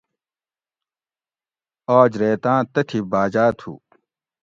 آج ریتاۤں تتھی باجاۤ تُھو